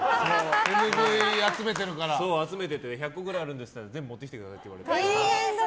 手拭い集めていて１００ぐらいあるんですって言ったら全部持ってきてくださいって言われて。